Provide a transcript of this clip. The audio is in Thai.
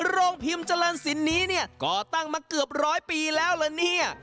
โรงพิมพ์เจริญศิลป์นี้ก็ตั้งมาเกือบร้อยปีแล้วละเนี่ย